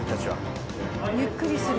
ゆっくりする。